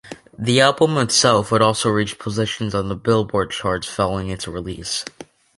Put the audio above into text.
The album itself would also reach positions on the "Billboard" charts following its release.